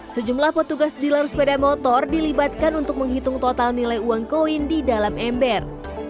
sejumlah petugas dealer sepeda motor dilibatkan untuk menghitung total nilai uang koin di dalam ember